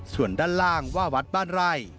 ส่วนด้านล่างว่าวัดบ้านไร่